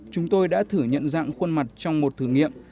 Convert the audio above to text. chúng tôi đã thử nhận dạng khuôn mặt trong một thử nghiệm